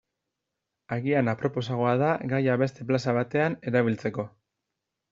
Agian aproposagoa da gaia beste plaza batean erabiltzeko.